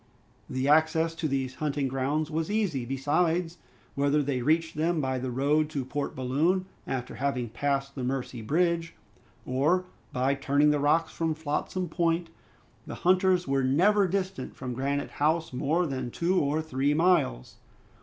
The access to these hunting grounds was easy; besides, whether they reached them by the road to Port Balloon, after having passed the Mercy Bridge, or by turning the rocks from Flotsam Point, the hunters were never distant from Granite House more than two or three miles.